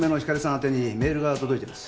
宛てにメールが届いてます。